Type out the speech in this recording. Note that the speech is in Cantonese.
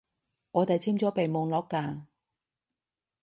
我哋簽咗備忘錄㗎